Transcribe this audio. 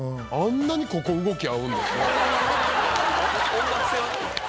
音楽性はね。